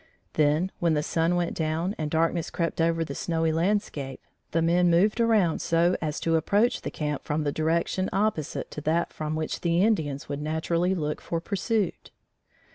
Then, when the sun went down and darkness crept over the snowy landscape, the men moved around so as to approach the camp from the direction opposite to that from which the Indians would naturally look for pursuit.